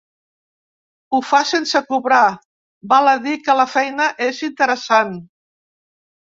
Ho fa sense cobrar: val a dir que la feina és interessant.